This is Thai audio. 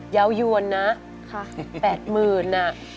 เยาวญณนะ๘หมื่นน่ะ